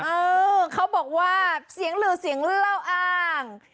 เออเขาบอกว่าเสียงลือเสียงเล่าอ้าง